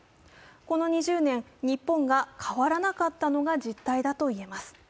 この２０年、日本が変わらなかったのが実態だと言えます。